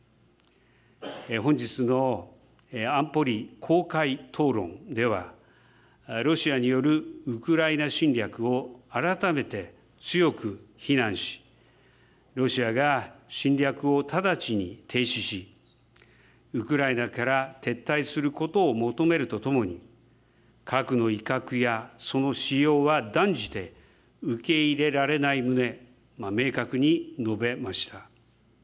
本日の安保理公開討論では、ロシアによるウクライナ侵略を改めて強く非難し、ロシアが侵略を直ちに停止し、ウクライナから撤退することを求めるとともに、核の威嚇やその使用は断じて受け入れられない旨、明確に述べました。